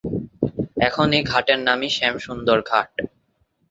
এখন এই ঘাটের নামই শ্যামসুন্দর ঘাট।